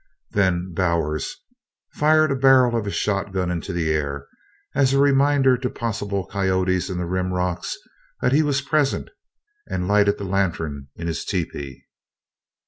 Then Bowers fired a barrel of his shotgun into the air as a reminder to possible coyotes in the rim rocks that he was present, and lighted the lantern in his tepee.